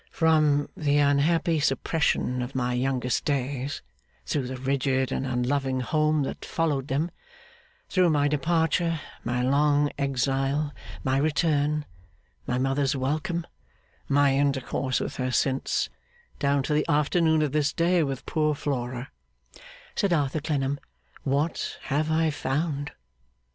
'From the unhappy suppression of my youngest days, through the rigid and unloving home that followed them, through my departure, my long exile, my return, my mother's welcome, my intercourse with her since, down to the afternoon of this day with poor Flora,' said Arthur Clennam, 'what have I found!